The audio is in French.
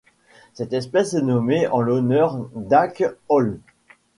Cette espèce est nommée en l'honneur d'Åke Holm.